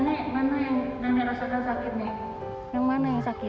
nenek nenek rasakan sakitnya yang mana yang sakit